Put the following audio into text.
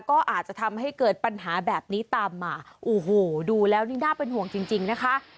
ก็อาจจะทำให้เกิดปัญหาแบบนี้ตามมาโอ้โหดูแล้วนี่น่าเป็นห่วงจริงจริงนะคะ